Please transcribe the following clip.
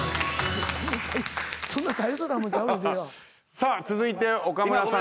さあ続いて岡村さん。